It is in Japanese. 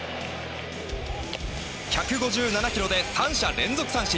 １５７キロで３者連続三振。